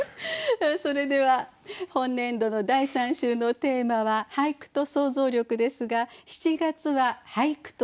それでは本年度の第３週のテーマは「俳句と想像力」ですが７月は「俳句と夢」です。